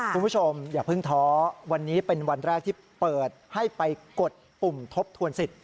คุณผู้ชมอย่าเพิ่งท้อวันนี้เป็นวันแรกที่เปิดให้ไปกดปุ่มทบทวนสิทธิ